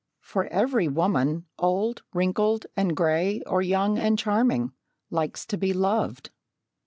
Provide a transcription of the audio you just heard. For every woman, old, wrinkled, and grey, or young and charming, likes to be loved.